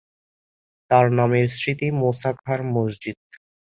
তার নামের স্মৃতি মুসা খাঁর মসজিদ।